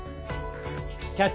「キャッチ！